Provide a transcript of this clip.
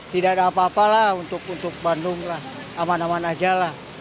tidak ada apa apa lah untuk bandung lah aman aman aja lah